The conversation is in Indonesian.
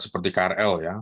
seperti krl ya